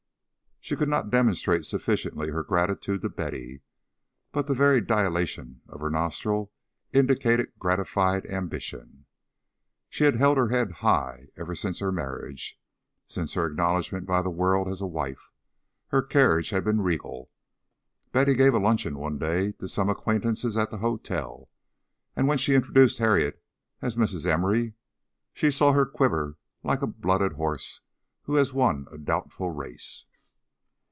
She could not demonstrate sufficiently her gratitude to Betty, but the very dilation of her nostril indicated gratified ambition. She had held her head high ever since her marriage; since her acknowledgment by the world as a wife, her carriage had been regal. Betty gave a luncheon one day to some acquaintances at the hotel, and when she introduced Harriet as Mrs. Emory, she saw her quiver like a blooded horse who has won a doubtful race.